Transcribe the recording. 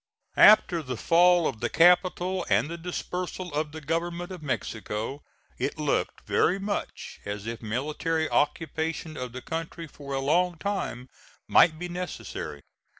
After the fall of the capital and the dispersal of the government of Mexico, it looked very much as if military occupation of the country for a long time might be necessary.